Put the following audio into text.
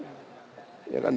di jaman paharta